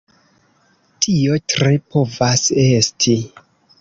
Tio tre povas esti.